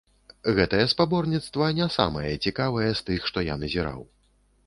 Гэтае спаборніцтва не самае цікавае з тых, што я назіраў.